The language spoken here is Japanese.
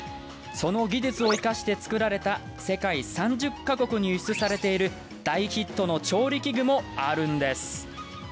その技術を生かして作られた世界３０か国に輸出されている大ヒットの調理器具もあるんです。